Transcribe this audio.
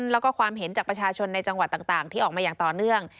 แล้วก็ความเห็นจากประชาชนในจังหวัดต่างที่ออกมาอย่างต่อเนื่อง